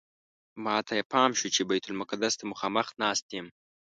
ماته یې پام شو چې بیت المقدس ته مخامخ ناست یم.